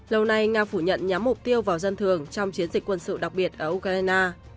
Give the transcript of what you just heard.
lâu nay nga phủ nhận nhắm mục tiêu vào dân thường trong chiến dịch quân sự đặc biệt ở ukraine